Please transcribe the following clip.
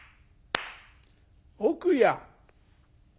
「奥や」。